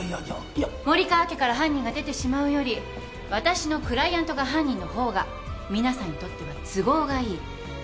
森川家から犯人が出てしまうより私のクライアントが犯人の方が皆さんにとっては都合がいい。